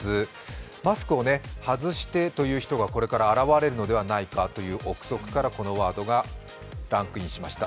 マスクを外してという人がこれから現れるのではないかという臆測からこのワードがランクインしました。